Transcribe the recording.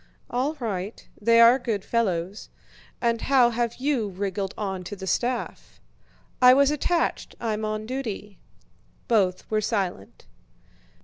"All right. They are good fellows. And how have you wriggled onto the staff?" "I was attached; I'm on duty." Both were silent.